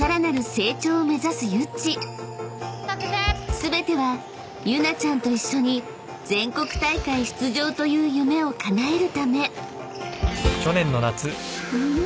［全てはユナちゃんと一緒に全国大会出場という夢をかなえるため］